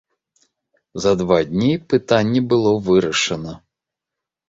За два дні пытанне было вырашана.